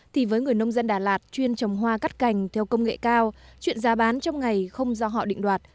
thì với người nông dân đà lạt chuyên trồng hoa cắt cành theo công nghệ cao chuyện giá bán trong ngày không do họ định đoạt